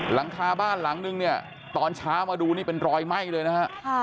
หลังคาบ้านหลังนึงเนี่ยตอนเช้ามาดูนี่เป็นรอยไหม้เลยนะฮะ